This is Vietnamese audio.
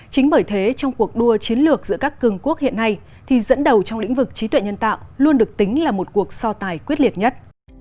chính bởi thế trong cuộc đua chiến lược giữa các cường quốc hiện nay thì dẫn đầu trong lĩnh vực trí tuệ nhân tạo luôn được tính là một cuộc so tài quyết liệt nhất